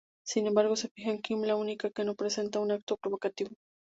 Sin embargo, se fija en Kim, la única que no presenta un acto provocativo.